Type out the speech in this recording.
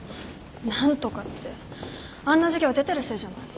何とかってあんな授業出てるせいじゃない。